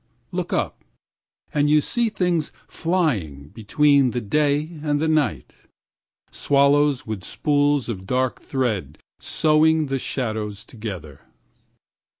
9Look up, and you see things flying10Between the day and the night;11Swallows with spools of dark thread sewing the shadows together.